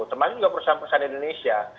sama juga perusahaan perusahaan di indonesia